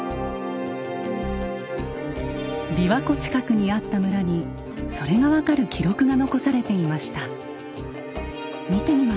びわ湖近くにあった村にそれが分かる記録が残されていました。